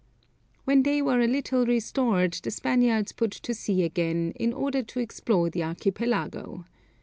When they were a little restored, the Spaniards put to sea again, in order to explore the archipelago.